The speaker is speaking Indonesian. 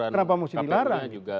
kenapa muslih larang